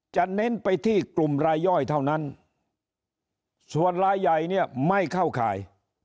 เน้นไปที่กลุ่มรายย่อยเท่านั้นส่วนรายใหญ่เนี่ยไม่เข้าข่าย